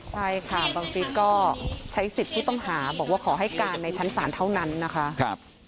ใช่ค่ะบังฟิศก็ใช้สิทธิ์ผู้ต้องหาบอกว่าขอให้การในชั้นศาลเท่านั้นนะคะ